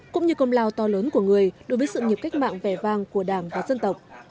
cũng như công lao to lớn của người đối với sự nghiệp cách mạng vẻ vang của đảng và dân tộc